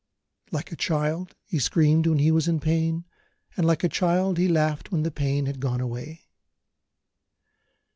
Like a child, he screamed when he was in pain; and, like a child, he laughed when the pain had gone away.